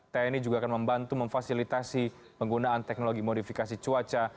tni juga akan membantu memfasilitasi penggunaan teknologi modifikasi cuaca